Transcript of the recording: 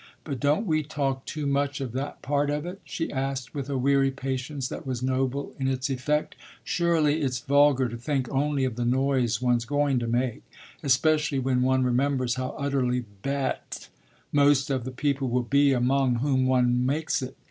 But don't we talk too much of that part of it?" she asked with a weary patience that was noble in its effect. "Surely it's vulgar to think only of the noise one's going to make especially when one remembers how utterly bêtes most of the people will be among whom one makes it.